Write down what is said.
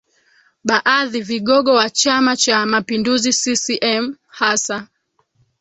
baadhi vigogo wa chama cha mapinduzi ccm hasa